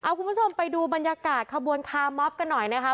คุณผู้ชมไปดูบรรยากาศขบวนคาร์มอบกันหน่อยนะคะ